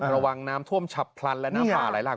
ระวังน้ำท่วมฉับพลันและน้ำป่าไหลหลาก